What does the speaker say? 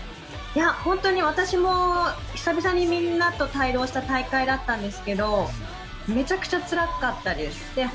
私も久々にみんなと帯同した大会だったんですけどめちゃくちゃつらかったです。